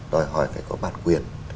đòi hỏi phải có bản quyền